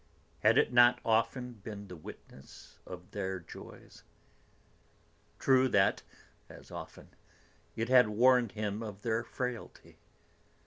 Had it not often been the witness of their joys? True that, as often, it had warned him of their frailty.